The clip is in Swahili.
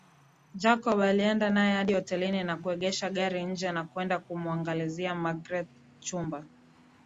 Jacob alienda naye hadi hotelini na kuegesha gari nje na kwenda kumuangalizia magreth chumba